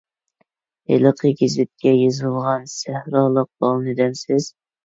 ھېلىقى گېزىتكە يېزىلغان سەھرالىق بالىنى دەمسىز؟